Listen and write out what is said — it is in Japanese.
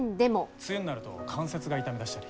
梅雨になると関節が痛み出したり。